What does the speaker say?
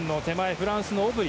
フランスのオブリ。